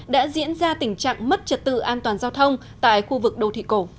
đã diễn ra tình trạng mất trật tự an toàn giao thông tại khu vực đô thị cổ